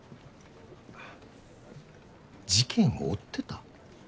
事件を追ってた？